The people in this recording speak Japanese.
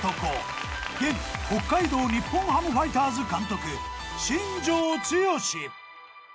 現北海道日本ハムファイターズ監督新庄剛志。